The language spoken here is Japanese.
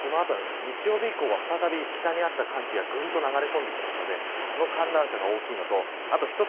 日曜日以降は北にあった寒気がぐんと流れ込んでくるのでその寒暖差が大きいのともう一つ